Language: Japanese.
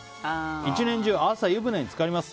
一年中、朝、湯船に浸かります。